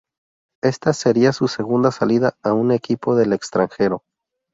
Esta sería su segunda salida a un equipo del extranjero.